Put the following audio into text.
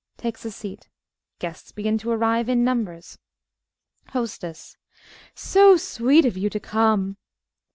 (Takes a seat. Guests begin to arrive in numbers.) HOSTESS So sweet of you to come!